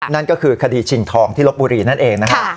นั่นก็คือคดีชิงทองที่ลบบุรีนั่นเองนะครับ